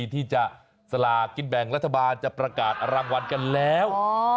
ที่จะสลากกินแบ่งรัฐบาลจะประกาศรางวัลกันแล้ว